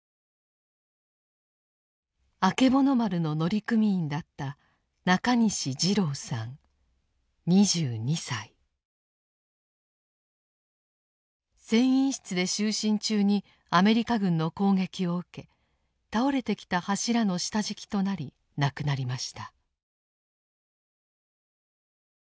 あけぼの丸の乗組員だった船員室で就寝中にアメリカ軍の攻撃を受け倒れてきた柱の下敷きとなり亡くなりました。